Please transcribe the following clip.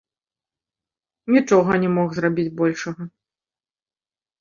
Нічога не мог зрабіць большага.